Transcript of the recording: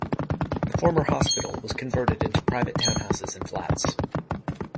The former hospital was converted into private townhouses and flats.